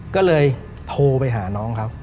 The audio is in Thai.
ก็เลยโทรไปหาน้องเขา